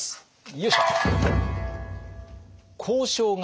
よいしょ。